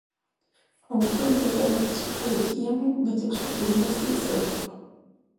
ხოლო ფონ ბეკერათის მიხედვით იაამუ მეთექვსმეტე დინასტიის წევრი იყო.